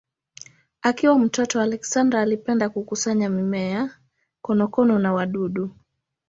Akiwa mtoto Alexander alipenda kukusanya mimea, konokono na wadudu.